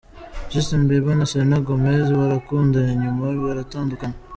Justin Bieber na Selena Gomez barakundanye nyuma baratandukana.